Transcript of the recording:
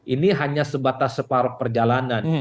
ini hanya sebatas separuh perjalanan